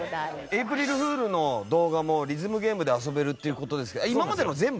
エイプリルフールの動画もリズムゲームで遊べるっていう事ですが今までの全部？